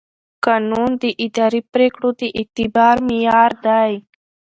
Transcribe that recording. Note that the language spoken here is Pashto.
قانون د اداري پرېکړو د اعتبار معیار دی.